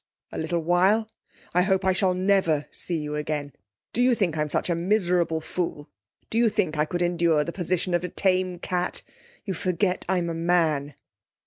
'A little while! I hope I shall never see you again! Do you think I'm such a miserable fool do you think I could endure the position of a tame cat? You forget I'm a man!...